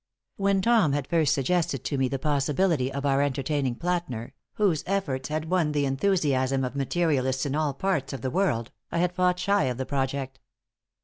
When Tom had first suggested to me the possibility of our entertaining Plätner, whose efforts had won the enthusiasm of materialists in all parts of the world, I had fought shy of the project.